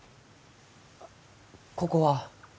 ここは？